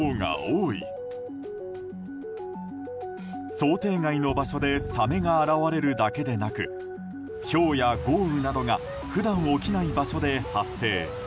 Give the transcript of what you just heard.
想定外の場所でサメが現れるだけでなくひょうや豪雨などが普段起きない場所で発生。